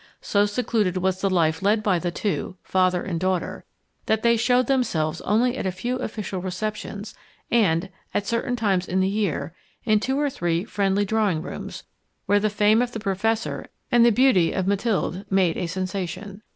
So secluded was the life led by the two, father and daughter, that they showed themselves only at a few official receptions and, at certain times in the year, in two or three friendly drawing rooms, where the fame of the professor and the beauty of Mathilde made a sensation.